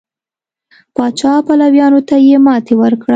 پاچا پلویانو ته یې ماتې ورکړه.